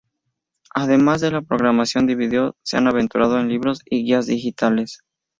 Además de la programación de video, se ha aventurado en libros y guías digitales.